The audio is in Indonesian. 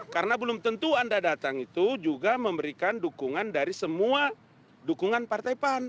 karena belum tentu anda datang itu juga memberikan dukungan dari semua dukungan partai pan